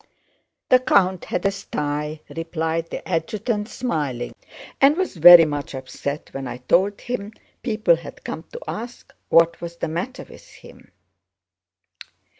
"The count had a sty," replied the adjutant smiling, "and was very much upset when I told him people had come to ask what was the matter with him.